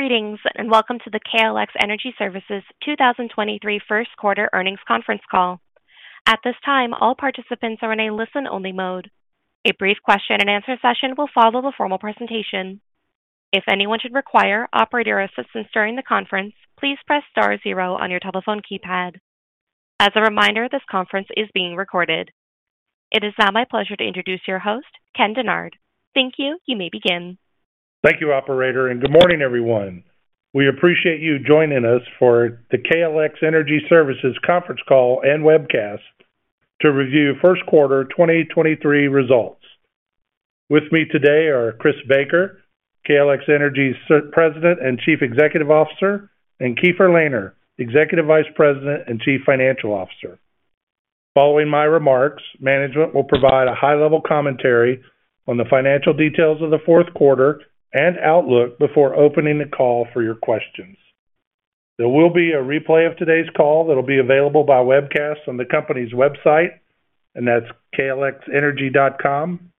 Greetings, welcome to the KLX Energy Services 2023 1st quarter earnings conference call. At this time, all participants are in a listen-only mode. A brief question-and-answer session will follow the formal presentation. If anyone should require operator assistance during the conference, please press star zero on your telephone keypad. As a reminder, this conference is being recorded. It is now my pleasure to introduce your host, Ken Dennard. Thank you. You may begin. Thank you, operator. Good morning, everyone. We appreciate you joining us for the KLX Energy Services conference call and webcast to review first quarter 2023 results. With me today are Chris Baker, KLX Energy's President and Chief Executive Officer, and Keefer Lehner, Executive Vice President and Chief Financial Officer. Following my remarks, management will provide a high-level commentary on the financial details of the fourth quarter and outlook before opening the call for your questions. There will be a replay of today's call that'll be available by webcast on the company's website, and that's klxenergy.com.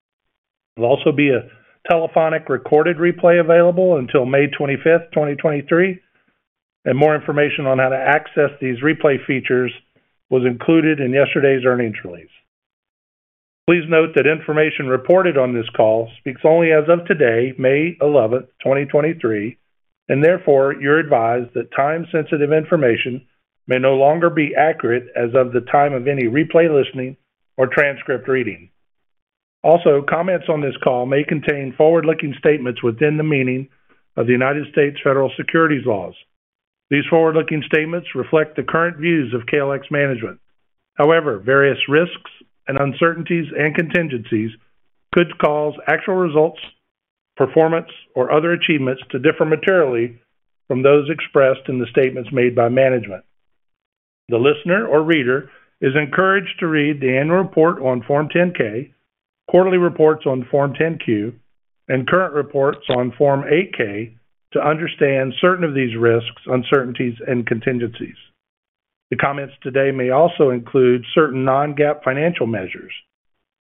There'll also be a telephonic recorded replay available until May 25th, 2023. More information on how to access these replay features was included in yesterday's earnings release. Please note that information reported on this call speaks only as of today, May 11, 2023. Therefore, you're advised that time-sensitive information may no longer be accurate as of the time of any replay listening or transcript reading. Also, comments on this call may contain forward-looking statements within the meaning of the United States federal securities laws. These forward-looking statements reflect the current views of KLX management. However, various risks and uncertainties and contingencies could cause actual results, performance, or other achievements to differ materially from those expressed in the statements made by management. The listener or reader is encouraged to read the annual report on Form 10-K, quarterly reports on Form 10-Q, and current reports on Form 8-K to understand certain of these risks, uncertainties, and contingencies. The comments today may also include certain non-GAAP financial measures.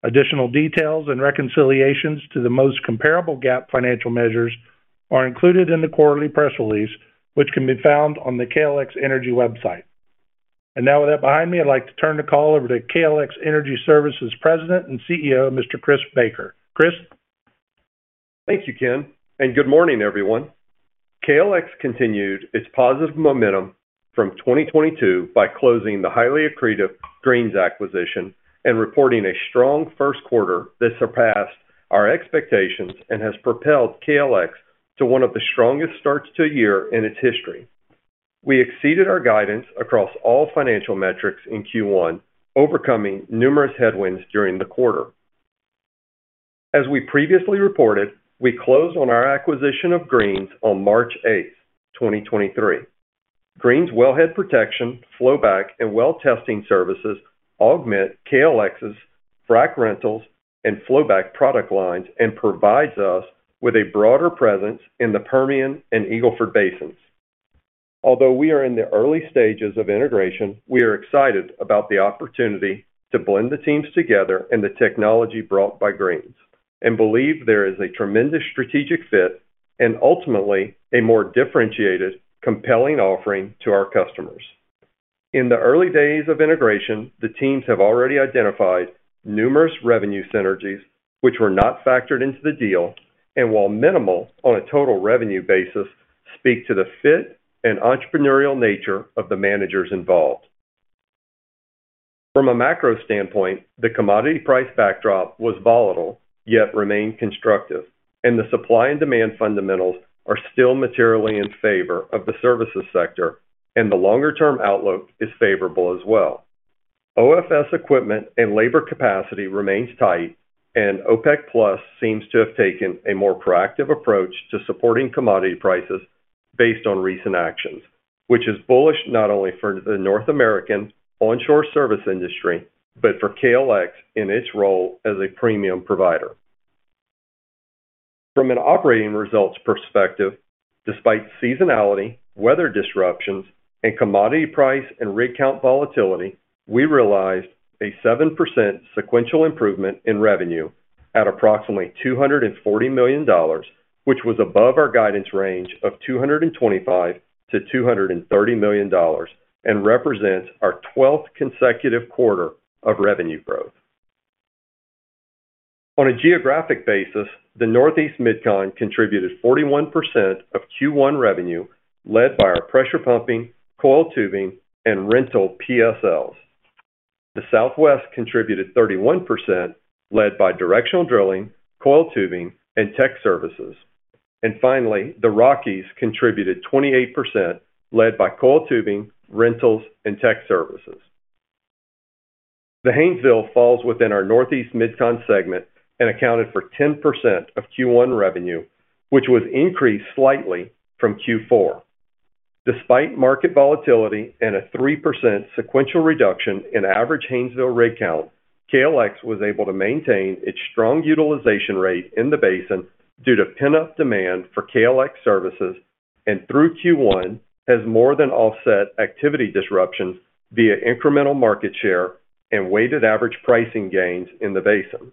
Additional details and reconciliations to the most comparable GAAP financial measures are included in the quarterly press release, which can be found on the KLX Energy website. Now with that behind me, I'd like to turn the call over to KLX Energy Services President and CEO, Mr. Chris Baker. Chris? Thank you, Ken. Good morning, everyone. KLX continued its positive momentum from 2022 by closing the highly accretive Greene's acquisition and reporting a strong first quarter that surpassed our expectations and has propelled KLX to one of the strongest starts to a year in its history. We exceeded our guidance across all financial metrics in Q1, overcoming numerous headwinds during the quarter. As we previously reported, we closed on our acquisition of Greene's on March eighth, 2023. Greene's wellhead protection, flowback, and well testing services augment KLX's frac rentals and flowback product lines and provides us with a broader presence in the Permian and Eagle Ford basins. Although we are in the early stages of integration, we are excited about the opportunity to blend the teams together and the technology brought by Greene's and believe there is a tremendous strategic fit and ultimately a more differentiated, compelling offering to our customers. In the early days of integration, the teams have already identified numerous revenue synergies which were not factored into the deal, and while minimal on a total revenue basis, speak to the fit and entrepreneurial nature of the managers involved. From a macro standpoint, the commodity price backdrop was volatile, yet remained constructive, and the supply and demand fundamentals are still materially in favor of the services sector, and the longer-term outlook is favorable as well. OFS equipment and labor capacity remains tight. OPEC Plus seems to have taken a more proactive approach to supporting commodity prices based on recent actions, which is bullish not only for the North American onshore service industry, but for KLX in its role as a premium provider. From an operating results perspective, despite seasonality, weather disruptions, and commodity price and rig count volatility, we realized a 7% sequential improvement in revenue at approximately $240 million, which was above our guidance range of $225 million-$230 million and represents our twelfth consecutive quarter of revenue growth. On a geographic basis, the Northeast MidCon contributed 41% of Q1 revenue, led by our pressure pumping, coiled tubing, and rental PSLs. The Southwest contributed 31%, led by directional drilling, coiled tubing, and tech services. Finally, the Rockies contributed 28%, led by coiled tubing, rentals, and tech services. The Haynesville falls within our Northeast MidCon segment and accounted for 10% of Q1 revenue, which was increased slightly from Q4. Despite market volatility and a 3% sequential reduction in average Haynesville rig count, KLX was able to maintain its strong utilization rate in the basin due to pent-up demand for KLX services, and through Q1, has more than offset activity disruptions via incremental market share and weighted average pricing gains in the basin.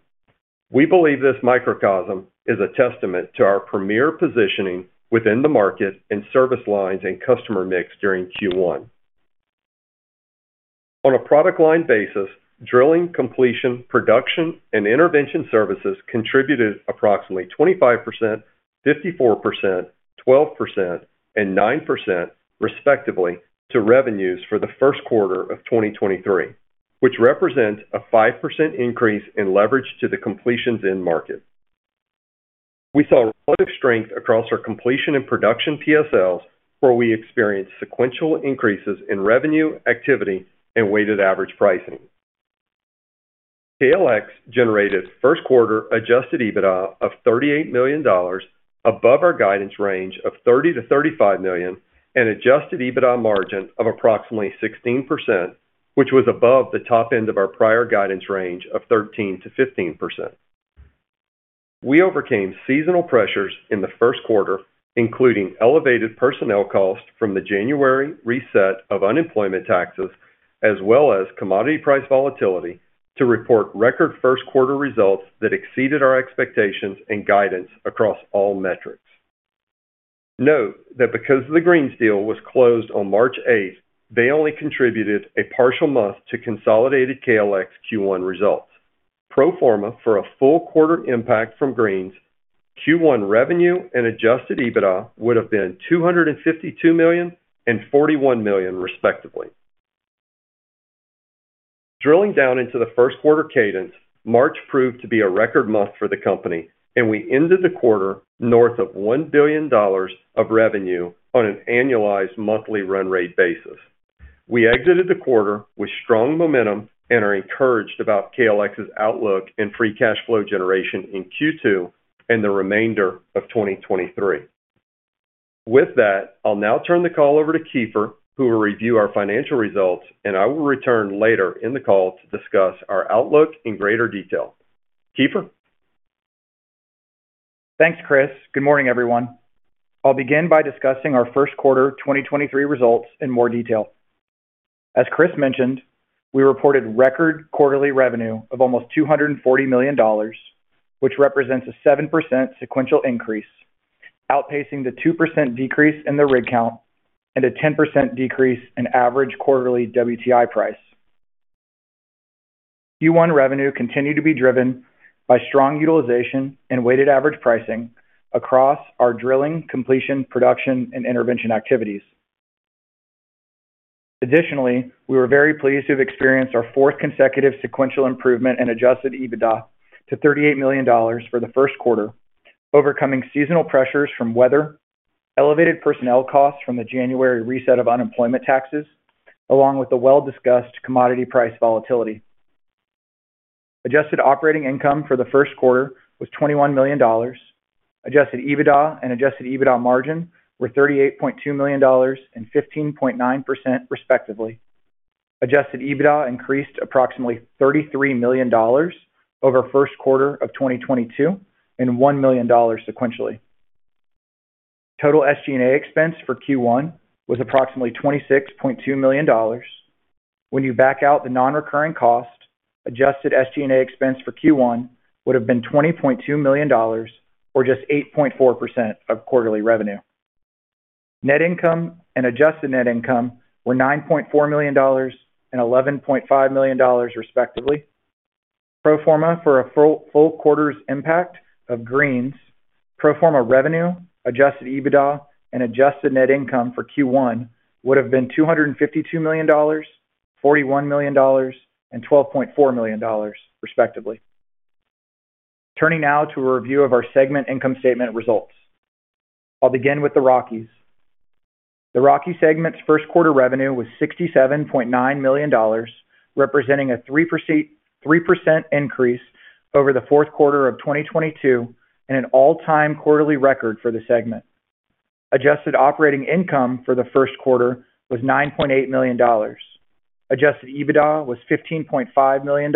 We believe this microcosm is a testament to our premier positioning within the market and service lines and customer mix during Q1. On a product line basis, drilling, completion, production, and intervention services contributed approximately 25%, 54%, 12%, and 9% respectively to revenues for the first quarter of 2023, which represents a 5% increase in leverage to the completions end market. We saw relative strength across our completion and production TSLs, where we experienced sequential increases in revenue, activity, and weighted average pricing. KLX generated first quarter Adjusted EBITDA of $38 million above our guidance range of $30 million-$35 million, and Adjusted EBITDA margin of approximately 16%, which was above the top end of our prior guidance range of 13%-15%. We overcame seasonal pressures in the first quarter, including elevated personnel costs from the January reset of unemployment taxes, as well as commodity price volatility to report record first quarter results that exceeded our expectations and guidance across all metrics. Note that because the Greens deal was closed on March 8, they only contributed a partial month to consolidated KLX Q1 results. Pro forma for a full quarter impact from Greens, Q1 revenue and Adjusted EBITDA would have been $252 million and $41 million, respectively. Drilling down into the first quarter cadence, March proved to be a record month for the company, and we ended the quarter north of $1 billion of revenue on an annualized monthly run rate basis. We exited the quarter with strong momentum and are encouraged about KLX's outlook and free cash flow generation in Q2 and the remainder of 2023. With that, I'll now turn the call over to Keefer, who will review our financial results, and I will return later in the call to discuss our outlook in greater detail. Keefer? Thanks, Chris. Good morning, everyone. I'll begin by discussing our first quarter 2023 results in more detail. As Chris mentioned, we reported record quarterly revenue of almost $240 million, which represents a 7% sequential increase, outpacing the 2% decrease in the rig count and a 10% decrease in average quarterly WTI price. Q1 revenue continued to be driven by strong utilization and weighted average pricing across our drilling, completion, production, and intervention activities. We were very pleased to have experienced our fourth consecutive sequential improvement in Adjusted EBITDA to $38 million for the first quarter, overcoming seasonal pressures from weather, elevated personnel costs from the January reset of unemployment taxes, along with the well-discussed commodity price volatility. Adjusted operating income for the first quarter was $21 million. Adjusted EBITDA and Adjusted EBITDA margin were $38.2 million and 15.9%, respectively. Adjusted EBITDA increased approximately $33 million over first quarter of 2022 and $1 million sequentially. Total SG&A expense for Q1 was approximately $26.2 million. When you back out the non-recurring cost, adjusted SG&A expense for Q1 would have been $20.2 million or just 8.4% of quarterly revenue. Net income and adjusted net income were $9.4 million and $11.5 million, respectively. Pro forma for a full quarter's impact of Greene's, pro forma revenue, Adjusted EBITDA and adjusted net income for Q1 would have been $252 million, $41 million, and $12.4 million, respectively. Turning now to a review of our segment income statement results. I'll begin with the Rockies. The Rockies segment's first quarter revenue was $67.9 million, representing a 3% increase over the fourth quarter of 2022 and an all-time quarterly record for the segment. Adjusted operating income for the first quarter was $9.8 million. Adjusted EBITDA was $15.5 million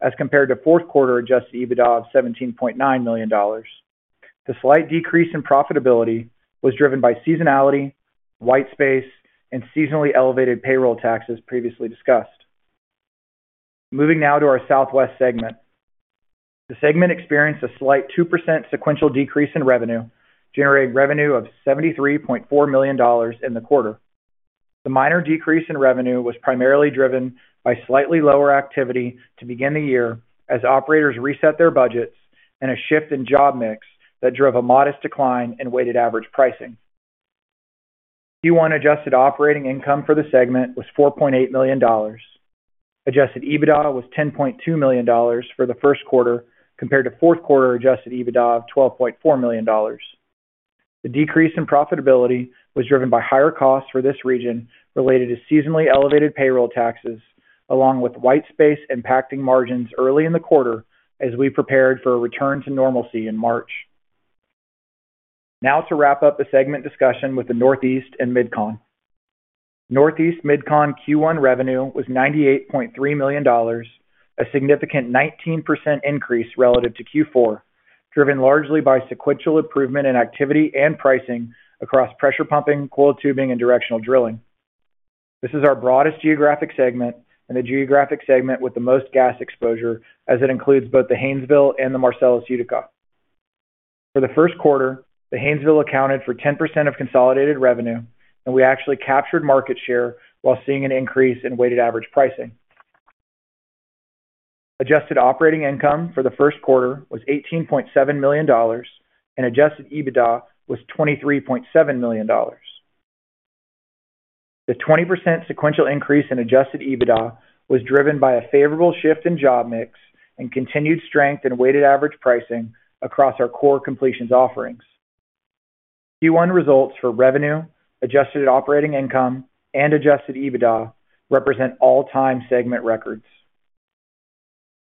as compared to fourth quarter Adjusted EBITDA of $17.9 million. The slight decrease in profitability was driven by seasonality, white space, and seasonally elevated payroll taxes previously discussed. Moving now to our Southwest segment. The segment experienced a slight 2% sequential decrease in revenue, generating revenue of $73.4 million in the quarter. The minor decrease in revenue was primarily driven by slightly lower activity to begin the year as operators reset their budgets and a shift in job mix that drove a modest decline in weighted average pricing. Q1 adjusted operating income for the segment was $4.8 million. Adjusted EBITDA was $10.2 million for the first quarter compared to fourth quarter Adjusted EBITDA of $12.4 million. The decrease in profitability was driven by higher costs for this region related to seasonally elevated payroll taxes, along with white space impacting margins early in the quarter as we prepared for a return to normalcy in March. To wrap up the segment discussion with the Northeast and MidCon. Northeast MidCon Q1 revenue was $98.3 million, a significant 19% increase relative to Q4, driven largely by sequential improvement in activity and pricing across pressure pumping, coiled tubing, and directional drilling. This is our broadest geographic segment and the geographic segment with the most gas exposure as it includes both the Haynesville and the Marcellus Utica. For the first quarter, the Haynesville accounted for 10% of consolidated revenue, and we actually captured market share while seeing an increase in weighted average pricing. Adjusted operating income for the first quarter was $18.7 million and Adjusted EBITDA was $23.7 million. The 20% sequential increase in Adjusted EBITDA was driven by a favorable shift in job mix and continued strength in weighted average pricing across our core completions offerings. Q1 results for revenue, adjusted operating income and Adjusted EBITDA represent all-time segment records.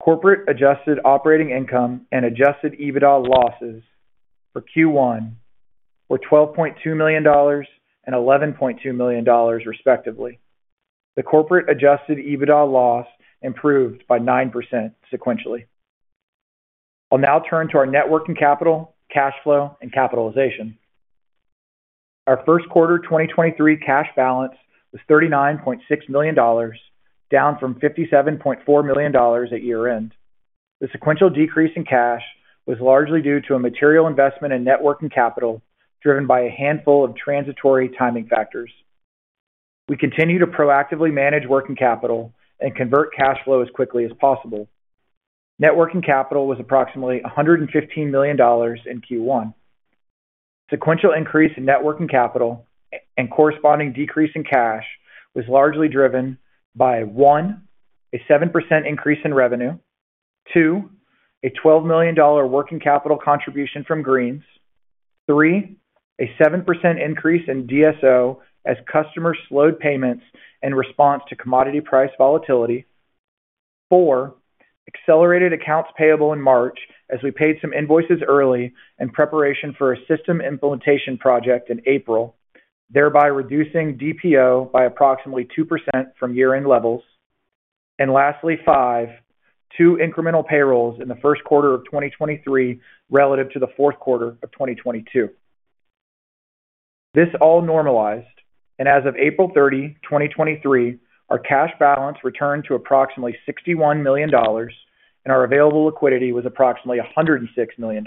Corporate adjusted operating income and Adjusted EBITDA losses for Q1 were $12.2 million and $11.2 million, respectively. The corporate Adjusted EBITDA loss improved by 9% sequentially. I'll now turn to our net working capital, cash flow and capitalization. Our first quarter 2023 cash balance was $39.6 million, down from $57.4 million at year-end. The sequential decrease in cash was largely due to a material investment in net working capital, driven by a handful of transitory timing factors. We continue to proactively manage working capital and convert cash flow as quickly as possible. Net working capital was approximately $115 million in Q1. Sequential increase in net working capital and corresponding decrease in cash was largely driven by, one, a 7% increase in revenue. Two, a $12 million working capital contribution from Greene's. Three, a 7% increase in DSO as customers slowed payments in response to commodity price volatility. Four, accelerated accounts payable in March as we paid some invoices early in preparation for a system implementation project in April, thereby reducing DPO by approximately 2% from year-end levels. Lastly, five, two incremental payrolls in the first quarter of 2023 relative to the fourth quarter of 2022. This all normalized. As of April 30, 2023, our cash balance returned to approximately $61 million and our available liquidity was approximately $106 million.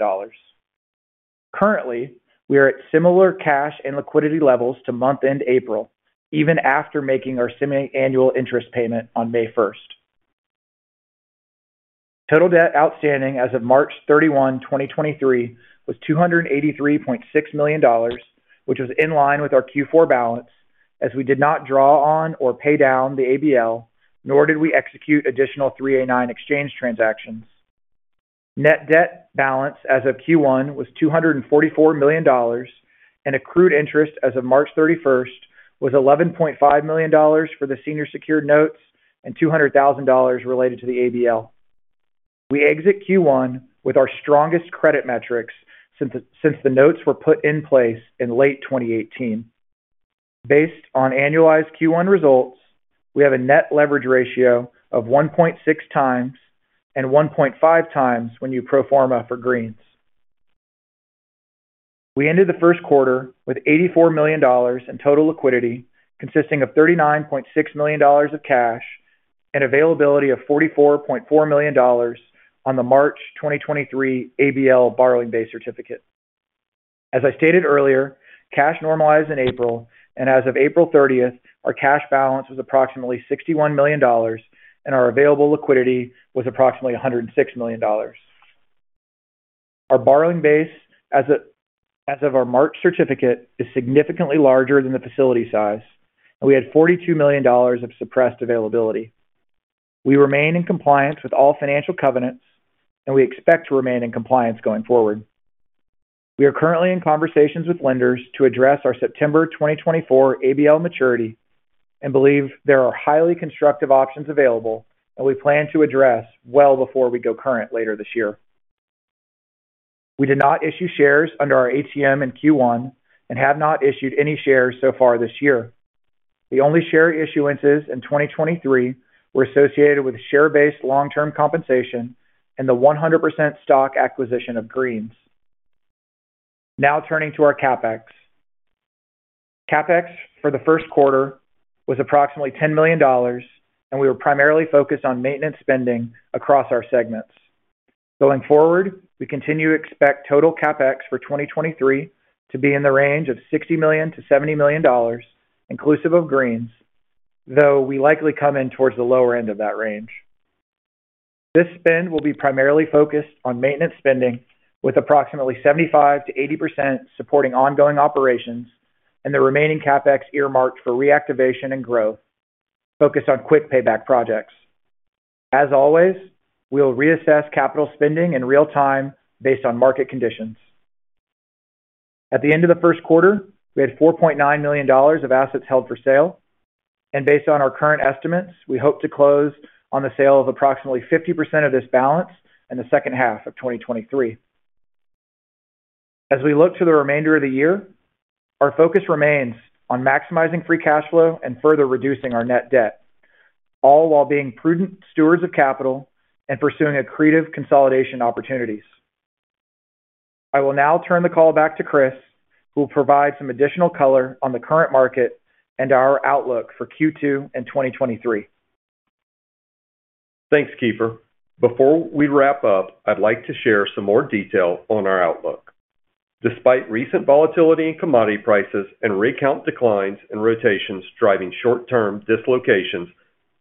Currently, we are at similar cash and liquidity levels to month end April, even after making our semi-annual interest payment on May first. Total debt outstanding as of March 31, 2023 was $283.6 million, which was in line with our Q4 balance as we did not draw on or pay down the ABL, nor did we execute additional 389 exchange transactions. Net debt balance as of Q1 was $244 million and accrued interest as of March 31st was $11.5 million for the senior secured notes and $200,000 related to the ABL. We exit Q1 with our strongest credit metrics since the notes were put in place in late 2018. Based on annualized Q1 results, we have a net leverage ratio of 1.6x and 1.5xwhen you pro forma for Greene's. We ended the first quarter with $84 million in total liquidity consisting of $39.6 million of cash and availability of $44.4 million on the March 2023 ABL borrowing base certificate. As I stated earlier, cash normalized in April and as of April 30th, our cash balance was approximately $61 million and our available liquidity was approximately $106 million. Our borrowing base as of our March certificate is significantly larger than the facility size and we had $42 million of suppressed availability. We remain in compliance with all financial covenants and we expect to remain in compliance going forward. We are currently in conversations with lenders to address our September 2024 ABL maturity and believe there are highly constructive options available and we plan to address well before we go current later this year. We did not issue shares under our ATM in Q1 and have not issued any shares so far this year. The only share issuances in 2023 were associated with share-based long-term compensation and the 100% stock acquisition of Greene's. Turning to our CapEx. CapEx for the first quarter was approximately $10 million and we were primarily focused on maintenance spending across our segments. Going forward, we continue to expect total CapEx for 2023 to be in the range of $60 million-$70 million inclusive of Greene's, though we likely come in towards the lower end of that range. This spend will be primarily focused on maintenance spending with approximately 75%-80% supporting ongoing operations and the remaining CapEx earmarked for reactivation and growth focused on quick payback projects. As always, we'll reassess capital spending in real time based on market conditions. At the end of the first quarter, we had $4.9 million of assets held for sale. Based on our current estimates, we hope to close on the sale of approximately 50% of this balance in the second half of 2023. As we look to the remainder of the year, our focus remains on maximizing free cash flow and further reducing our net debt, all while being prudent stewards of capital and pursuing accretive consolidation opportunities. I will now turn the call back to Chris, who will provide some additional color on the current market and our outlook for Q2 and 2023. Thanks, Keefer. Before we wrap up, I'd like to share some more detail on our outlook. Despite recent volatility in commodity prices and rig count declines and rotations driving short-term dislocations,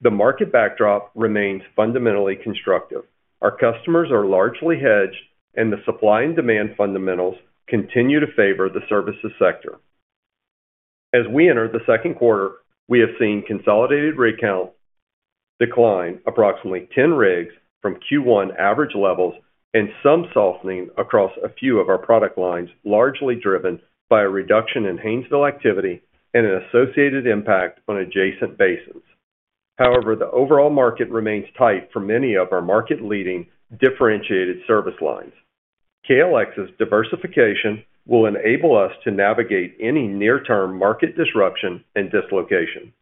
the market backdrop remains fundamentally constructive. Our customers are largely hedged and the supply and demand fundamentals continue to favor the services sector. As we enter the second quarter, we have seen consolidated rig counts decline approximately 10 rigs from Q1 average levels and some softening across a few of our product lines, largely driven by a reduction in Haynesville activity and an associated impact on adjacent basins. However, the overall market remains tight for many of our market-leading differentiated service lines. KLX's diversification will enable us to navigate any near-term market disruption and dislocation.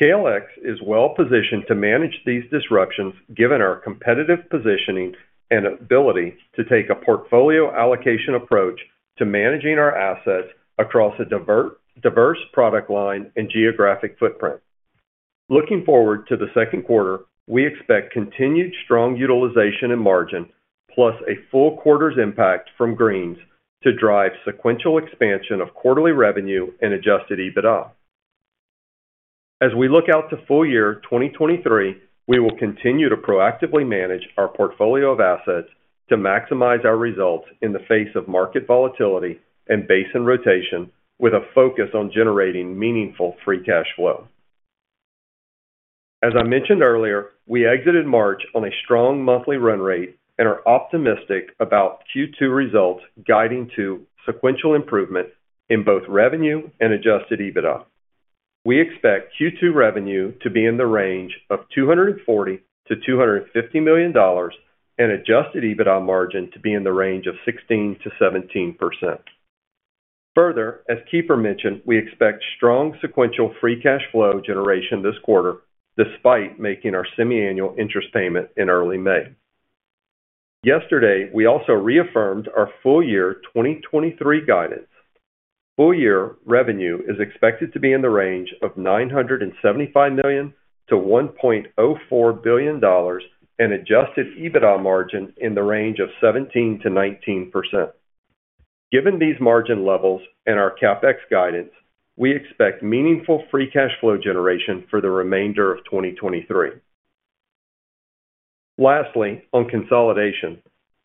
KLX is well-positioned to manage these disruptions given our competitive positioning and ability to take a portfolio allocation approach to managing our assets across a diverse product line and geographic footprint. Looking forward to the second quarter, we expect continued strong utilization and margin plus a full quarter's impact from Greene's to drive sequential expansion of quarterly revenue and Adjusted EBITDA. As we look out to full year 2023, we will continue to proactively manage our portfolio of assets to maximize our results in the face of market volatility and basin rotation with a focus on generating meaningful free cash flow. As I mentioned earlier, we exited March on a strong monthly run rate and are optimistic about Q2 results guiding to sequential improvement in both revenue and Adjusted EBITDA. We expect Q2 revenue to be in the range of $240 million-$250 million and Adjusted EBITDA margin to be in the range of 16%-17%. As Keefer mentioned, we expect strong sequential free cash flow generation this quarter despite making our semiannual interest payment in early May. Yesterday, we also reaffirmed our full year 2023 guidance. Full year revenue is expected to be in the range of $975 million-$1.04 billion and Adjusted EBITDA margin in the range of 17%-19%. Given these margin levels and our CapEx guidance, we expect meaningful free cash flow generation for the remainder of 2023. On consolidation,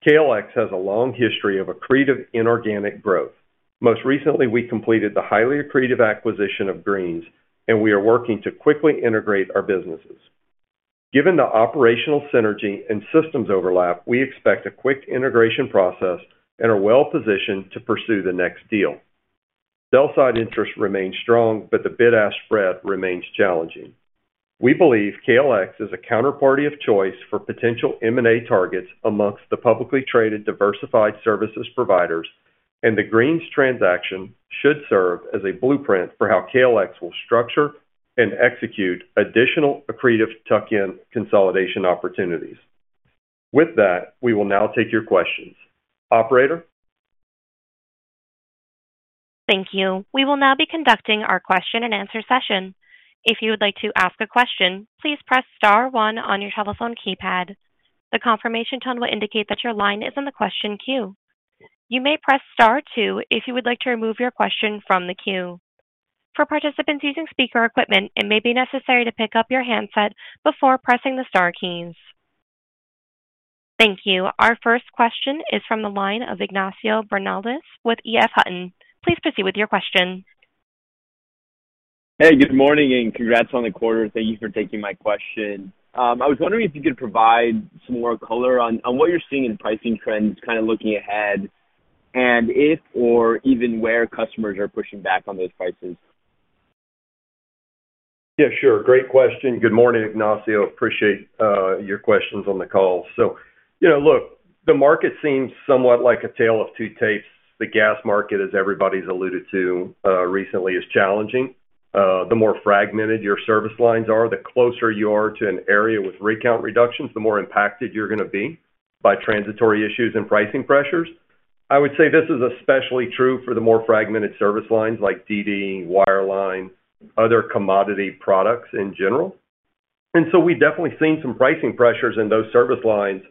KLX has a long history of accretive inorganic growth. Most recently, we completed the highly accretive acquisition of Greene's. We are working to quickly integrate our businesses. Given the operational synergy and systems overlap, we expect a quick integration process and are well-positioned to pursue the next deal. Sell side interest remains strong. The bid-ask spread remains challenging. We believe KLX is a counterparty of choice for potential M&A targets amongst the publicly traded diversified services providers. The Greene's transaction should serve as a blueprint for how KLX will structure and execute additional accretive tuck-in consolidation opportunities. With that, we will now take your questions. Operator? Thank you. We will now be conducting our question-and-answer session. If you would like to ask a question, please press star one on your telephone keypad. The confirmation tone will indicate that your line is in the question queue. You may press star two if you would like to remove your question from the queue. For participants using speaker equipment, it may be necessary to pick up your handset before pressing the star keys. Thank you. Our first question is from the line of Ignacio Bernaldez with EF Hutton. Please proceed with your question. Hey, good morning, congrats on the quarter. Thank you for taking my question. I was wondering if you could provide some more color on what you're seeing in pricing trends kind of looking ahead and if or even where customers are pushing back on those prices? Yeah, sure. Great question. Good morning, Ignacio. Appreciate your questions on the call. You know, look, the market seems somewhat like a tale of two tapes. The gas market, as everybody's alluded to recently, is challenging. The more fragmented your service lines are, the closer you are to an area with rig count reductions, the more impacted you're gonna be by transitory issues and pricing pressures. I would say this is especially true for the more fragmented service lines like DD, wireline, other commodity products in general. We've definitely seen some pricing pressures in those service lines.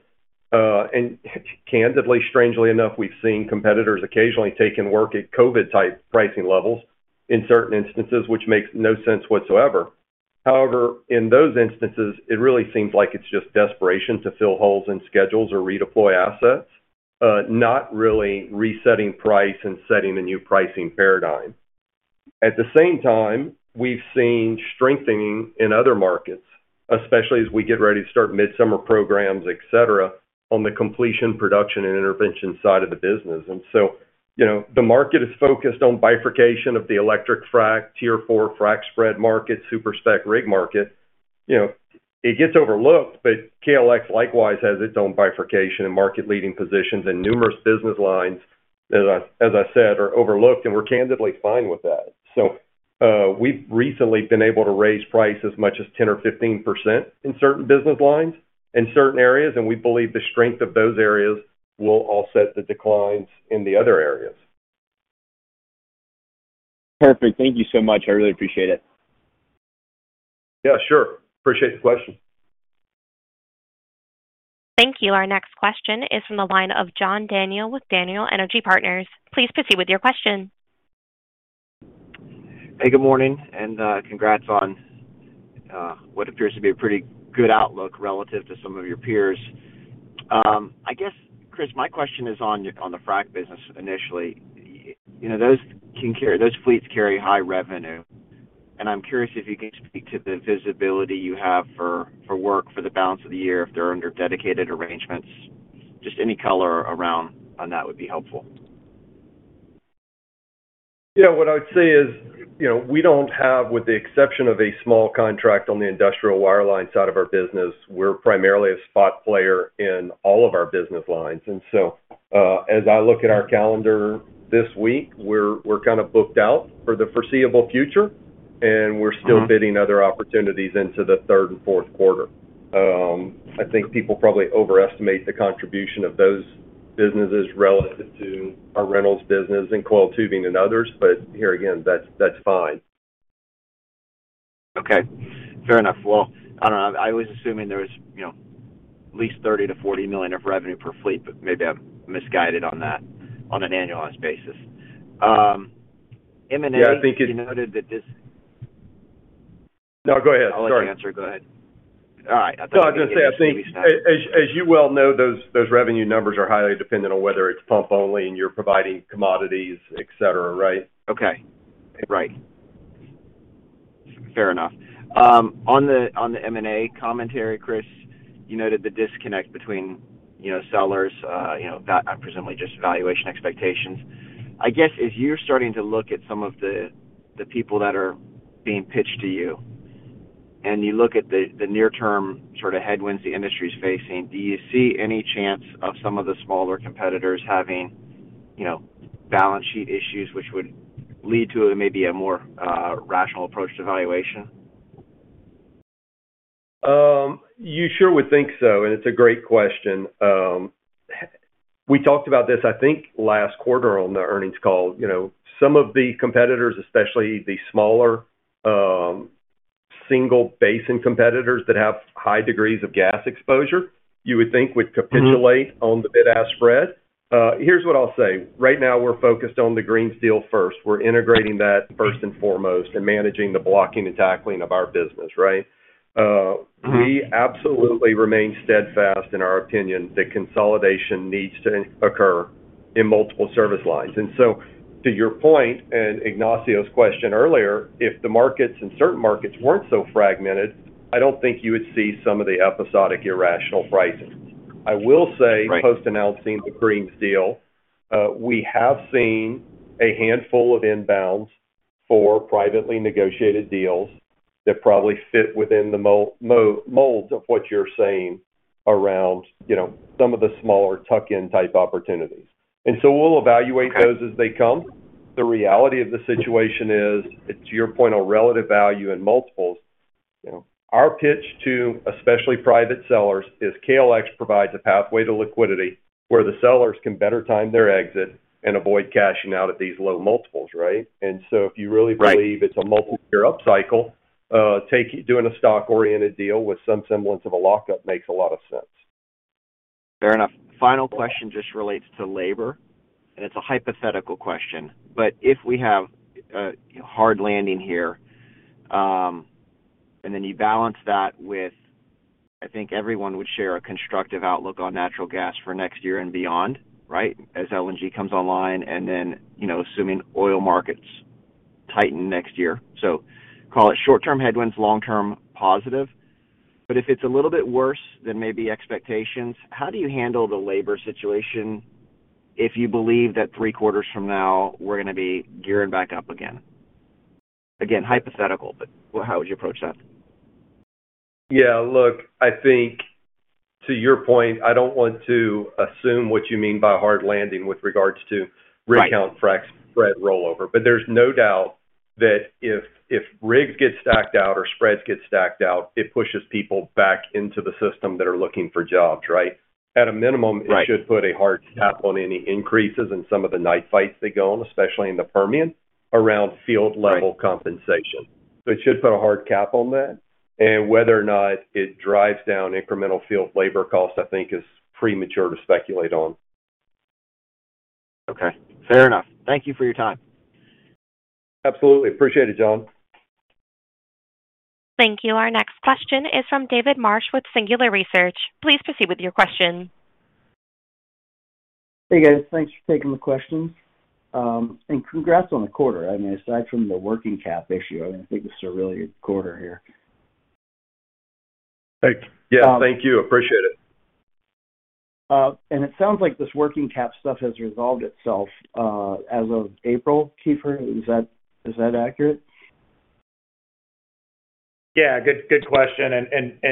Candidly, strangely enough, we've seen competitors occasionally taking work at COVID-type pricing levels in certain instances, which makes no sense whatsoever. However, in those instances, it really seems like it's just desperation to fill holes in schedules or redeploy assets, not really resetting price and setting a new pricing paradigm. At the same time, we've seen strengthening in other markets, especially as we get ready to start midsummer programs, et cetera, on the completion, production, and intervention side of the business. You know, the market is focused on bifurcation of the e-frac, Tier 4 frac spread market, super-spec rig market. You know, it gets overlooked, but KLX likewise has its own bifurcation and market-leading positions in numerous business lines that I, as I said, are overlooked, and we're candidly fine with that. We've recently been able to raise price as much as 10% or 15% in certain business lines, in certain areas, and we believe the strength of those areas will offset the declines in the other areas. Perfect. Thank you so much. I really appreciate it. Yeah, sure. Appreciate the question. Thank you. Our next question is from the line of John Daniel with Daniel Energy Partners. Please proceed with your question. Hey, good morning, and congrats on what appears to be a pretty good outlook relative to some of your peers. I guess, Chris, my question is on the frac business initially. You know, those fleets carry high revenue, and I'm curious if you can speak to the visibility you have for work for the balance of the year if they're under dedicated arrangements. Just any color around on that would be helpful. You know, what I would say is, you know, we don't have, with the exception of a small contract on the industrial wireline side of our business, we're primarily a spot player in all of our business lines. As I look at our calendar this week, we're kind of booked out for the foreseeable future. Mm-hmm... fitting other opportunities into the third and fourth quarter. I think people probably overestimate the contribution of those businesses relative to our rentals business and coiled tubing and others, but here again, that's fine. Okay. Fair enough. Well, I don't know, I was assuming there was, you know, at least $30 million-$40 million of revenue per fleet, but maybe I'm misguided on that on an annualized basis. Yeah, I think You noted that this. No, go ahead. Sorry. I'll let you answer. Go ahead. All right. I thought I was gonna get it, maybe it's not. I was gonna say, I think as you well know, those revenue numbers are highly dependent on whether it's pump only and you're providing commodities, et cetera, right? Okay. Right. Fair enough. On the, on the M&A commentary, Chris, you noted the disconnect between, you know, sellers, you know, that presumably just valuation expectations. I guess as you're starting to look at some of the people that are being pitched to you, and you look at the near term sort of headwinds the industry is facing, do you see any chance of some of the smaller competitors having, you know, balance sheet issues which would lead to maybe a more rational approach to valuation? You sure would think so, and it's a great question. We talked about this, I think, last quarter on the earnings call. You know, some of the competitors, especially the smaller, single basin competitors that have high degrees of gas exposure, you would think would capitulate. Mm-hmm... on the bid-ask spread. Here's what I'll say. Right now, we're focused on the Greene's deal first. We're integrating that first and foremost and managing the blocking and tackling of our business, right? Mm-hmm... we absolutely remain steadfast in our opinion that consolidation needs to occur in multiple service lines. To your point, and Ignacio's question earlier, if the markets and certain markets weren't so fragmented, I don't think you would see some of the episodic irrational pricing. Right... post announcing the Greene's deal, we have seen a handful of inbounds for privately negotiated deals that probably fit within the molds of what you're saying around, you know, some of the smaller tuck-in type opportunities. We'll evaluate- Okay... those as they come. The reality of the situation is, it's your point on relative value and multiples. You know, our pitch to especially private sellers is KLX provides a pathway to liquidity where the sellers can better time their exit and avoid cashing out at these low multiples, right? If you really believe- Right... it's a multiple year upcycle, doing a stock-oriented deal with some semblance of a lockup makes a lot of sense. Fair enough. Final question just relates to labor, and it's a hypothetical question. If we have a hard landing here, and then you balance that with, I think everyone would share a constructive outlook on natural gas for next year and beyond, right? As LNG comes online and then, you know, assuming oil markets tighten next year. Call it short-term headwinds, long-term positive. If it's a little bit worse than maybe expectations, how do you handle the labor situation if you believe that three quarters from now we're gonna be gearing back up again? Again, hypothetical, but how would you approach that? Yeah. Look, I think to your point, I don't want to assume what you mean by hard landing with regards to rig count fracs spread rollover. There's no doubt that if rigs get stacked out or spreads get stacked out, it pushes people back into the system that are looking for jobs, right? At a minimum- Right... it should put a hard cap on any increases in some of the knife fights they go on, especially in the Permian, around field level compensation. It should put a hard cap on that. Whether or not it drives down incremental field labor costs, I think is premature to speculate on. Okay. Fair enough. Thank you for your time. Absolutely. Appreciate it, John. Thank you. Our next question is from David Marsh with Singular Research. Please proceed with your question. Hey, guys. Thanks for taking the question. Congrats on the quarter. I mean, aside from the working cap issue, I think this is a really good quarter here. Yeah, thank you. Appreciate it. It sounds like this working cap stuff has resolved itself as of April, Keefer. Is that accurate? Yeah. Good, good question.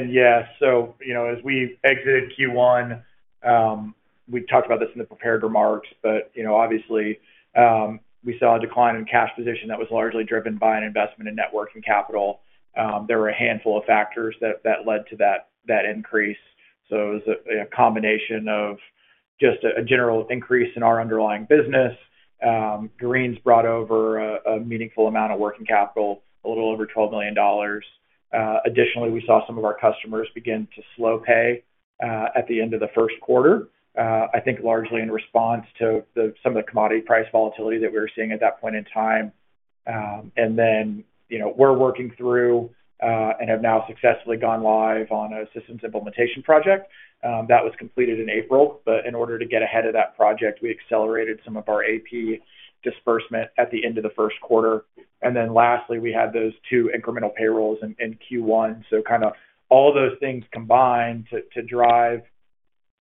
Yeah, you know, as we exited Q1, we talked about this in the prepared remarks, you know, obviously, we saw a decline in cash position that was largely driven by an investment in net working capital. There were a handful of factors that led to that increase. It was a combination of just a general increase in our underlying business. Greene's brought over a meaningful amount of working capital, a little over $12 million. Additionally, we saw some of our customers begin to slow pay at the end of the first quarter, I think largely in response to some of the commodity price volatility that we were seeing at that point in time. You know, we're working through and have now successfully gone live on a systems implementation project that was completed in April. We accelerated some of our AP disbursement at the end of the first quarter. Lastly, we had those two incremental payrolls in Q1. All those things combined to drive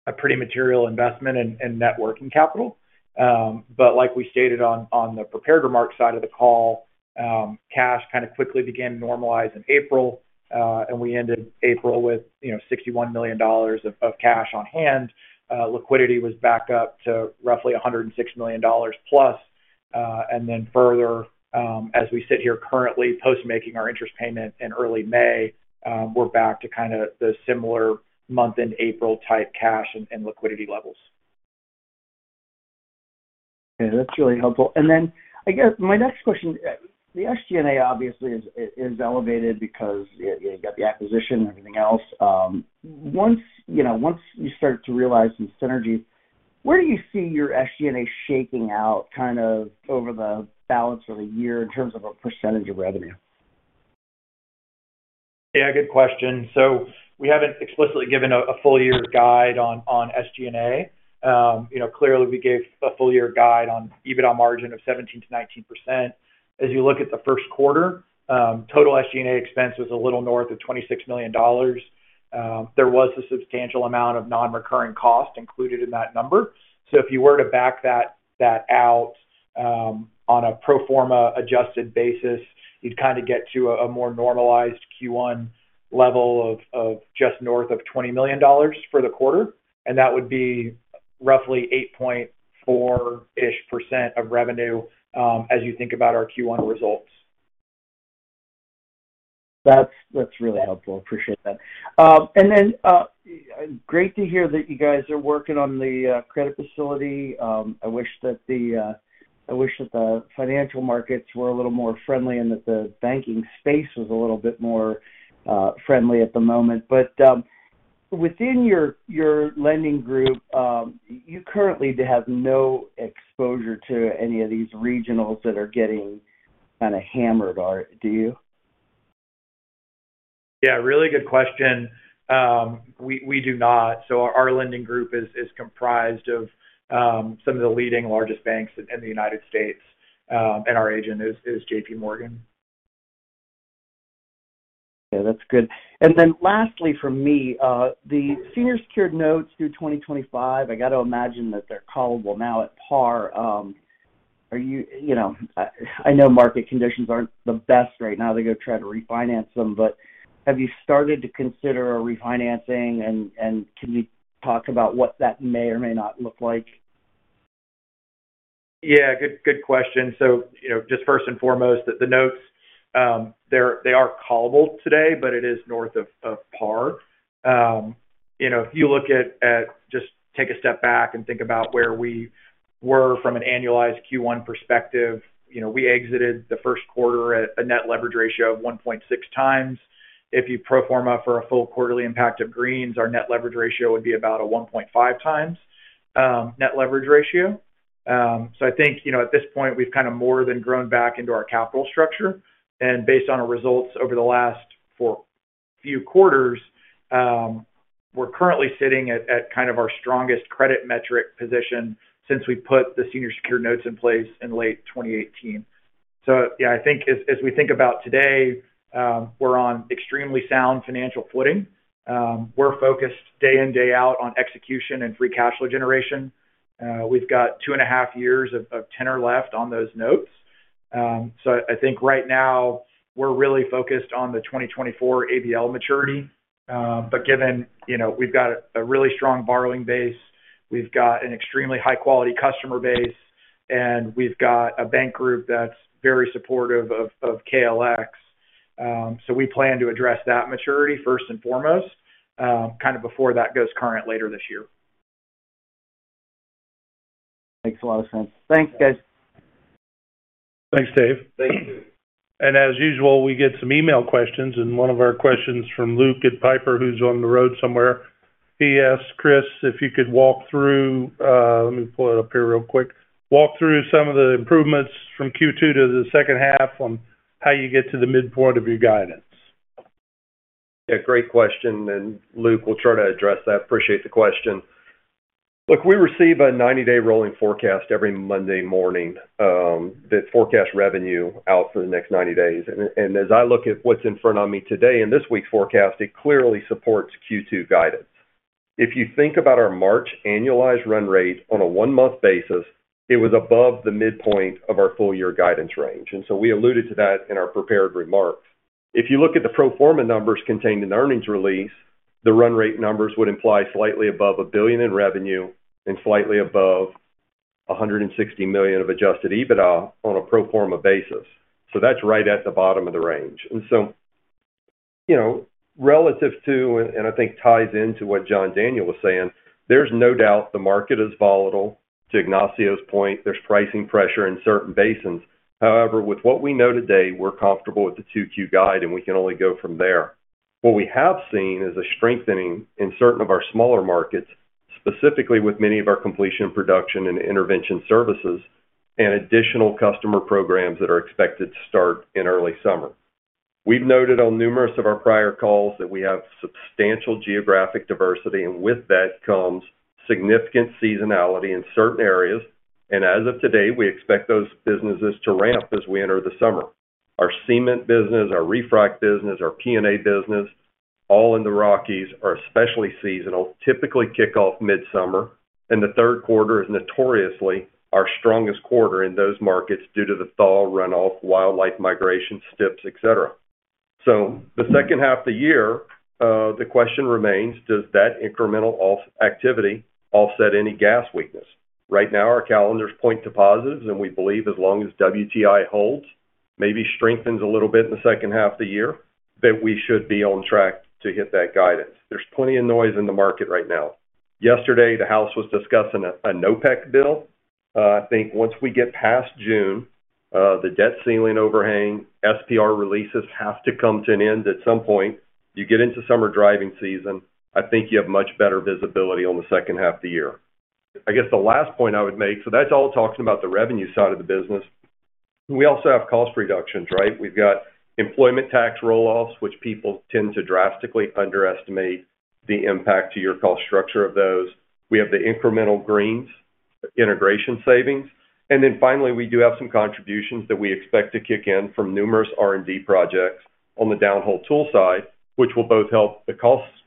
a pretty material investment in net working capital. Like we stated on the prepared remarks side of the call, cash kind of quickly began to normalize in April, and we ended April with, you know, $61 million of cash on hand. Liquidity was back up to roughly $106 million plus. Further, as we sit here currently post making our interest payment in early May, we're back to kinda the similar month in April type cash and liquidity levels. Okay. That's really helpful. I guess my next question. The SG&A obviously is elevated because you got the acquisition and everything else. Once, you know, once you start to realize some synergies, where do you see your SG&A shaking out kind of over the balance of the year in terms of a percentage of revenue? Yeah, good question. We haven't explicitly given a full year guide on SG&A. You know, clearly we gave a full year guide on EBITDA margin of 17%-19%. As you look at the first quarter, total SG&A expense was a little north of $26 million. There was a substantial amount of non-recurring cost included in that number. If you were to back that out, on a pro forma adjusted basis, you'd kind of get to a more normalized Q1 level of just north of $20 million for the quarter, and that would be roughly 8.4%-ish of revenue, as you think about our Q1 results. That's really helpful. Appreciate that. Great to hear that you guys are working on the credit facility. I wish that the financial markets were a little more friendly and that the banking space was a little bit more friendly at the moment. Within your lending group, you currently have no exposure to any of these regionals that are getting kinda hammered. Do you? Yeah, really good question. We do not. Our lending group is comprised of, some of the leading largest banks in the United States. Our agent is JPMorgan. Yeah, that's good. Lastly for me, the senior secured notes through 2025, I got to imagine that they're callable now at par. You know, I know market conditions aren't the best right now to go try to refinance them, have you started to consider a refinancing and can you talk about what that may or may not look like? Yeah. Good, good question. You know, just first and foremost, the notes, they are callable today, but it is north of par. You know, if you look at, just take a step back and think about where we were from an annualized Q1 perspective. You know, we exited the first quarter at a net leverage ratio of 1.6x. If you pro forma for a full quarterly impact of Greene's, our net leverage ratio would be about a 1.5x net leverage ratio. I think, you know, at this point, we've kind of more than grown back into our capital structure. Based on our results over the last few quarters, we're currently sitting at kind of our strongest credit metric position since we put the senior secured notes in place in late 2018. Yeah, I think as we think about today, we're on extremely sound financial footing. We're focused day in, day out on execution and free cash flow generation. We've got 2.5 years of tenor left on those notes. I think right now we're really focused on the 2024 ABL maturity. Given, you know, we've got a really strong borrowing base, we've got an extremely high-quality customer base, and we've got a bank group that's very supportive of KLX, so we plan to address that maturity first and foremost, kind of before that goes current later this year. Makes a lot of sense. Thanks, guys. Thanks, Dave. Thank you. As usual, we get some email questions. One of our questions from Luke at Piper, who's on the road somewhere. He asks Chris if you could walk through. Let me pull it up here real quick. Walk through some of the improvements from Q2 to the second half on how you get to the midpoint of your guidance. Yeah, great question. Luke, we'll try to address that. Appreciate the question. Look, we receive a 90-day rolling forecast every Monday morning, that forecast revenue out for the next 90 days. As I look at what's in front of me today in this week's forecast, it clearly supports Q2 guidance. If you think about our March annualized run rate on a one-month basis, it was above the midpoint of our full year guidance range. We alluded to that in our prepared remarks. If you look at the pro forma numbers contained in the earnings release, the run rate numbers would imply slightly above $1 billion in revenue and slightly above $160 million of Adjusted EBITDA on a pro forma basis. That's right at the bottom of the range. You know, relative to, and I think ties into what John Daniel was saying, there's no doubt the market is volatile. To Ignacio's point, there's pricing pressure in certain basins. However, with what we know today, we're comfortable with the 2Q guide, and we can only go from there. What we have seen is a strengthening in certain of our smaller markets, specifically with many of our completion production and intervention services and additional customer programs that are expected to start in early summer. We've noted on numerous of our prior calls that we have substantial geographic diversity, and with that comes significant seasonality in certain areas. As of today, we expect those businesses to ramp as we enter the summer. Our cement business, our re-frac business, our P&A business, all in the Rockies are especially seasonal, typically kick off midsummer, and the third quarter is notoriously our strongest quarter in those markets due to the thaw runoff, wildlife migration, stips, et cetera. The second half of the year, the question remains, does that incremental off activity offset any gas weakness? Right now, our calendars point to positives. We believe as long as WTI holds, maybe strengthens a little bit in the second half of the year, that we should be on track to hit that guidance. There's plenty of noise in the market right now. Yesterday, the House was discussing a NOPEC bill. I think once we get past June, the debt ceiling overhang, SPR releases have to come to an end at some point. You get into summer driving season, I think you have much better visibility on the second half of the year. I guess the last point I would make. That's all talking about the revenue side of the business. We also have cost reductions, right? We've got employment tax roll-offs, which people tend to drastically underestimate the impact to your cost structure of those. We have the incremental Greene's integration savings. Finally, we do have some contributions that we expect to kick in from numerous R&D projects on the downhole tool side, which will both help the cost structure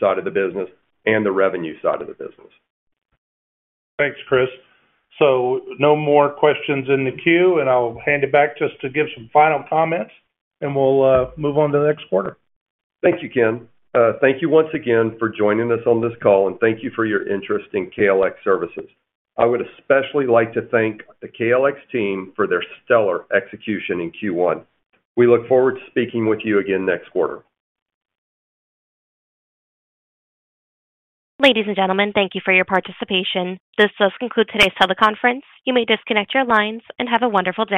side of the business and the revenue side of the business. Thanks, Chris. No more questions in the queue, and I'll hand it back just to give some final comments, and we'll move on to the next quarter. Thank you, Ken. Thank you once again for joining us on this call, and thank you for your interest in KLX Energy Services. I would especially like to thank the KLX team for their stellar execution in Q1. We look forward to speaking with you again next quarter. Ladies and gentlemen, thank you for your participation. This does conclude today's teleconference. You may disconnect your lines and have a wonderful day.